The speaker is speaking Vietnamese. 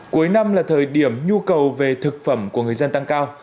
cuối năm là thời điểm nhu cầu về thực phẩm của người dân tăng cao